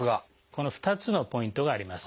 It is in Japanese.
この２つのポイントがあります。